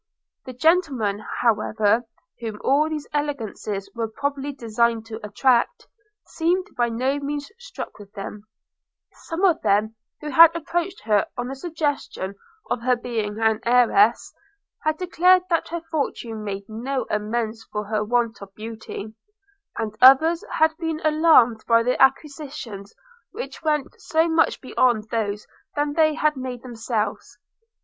The gentlemen, however, whom all these elegancies were probably designed to attract, seemed by no means struck with them: some of them, who had approached her on the suggestion of her being an heiress, had declared that her fortune made no amends for her want of beauty; and others had been alarmed by the acquisitions which went so much beyond those they had made themselves.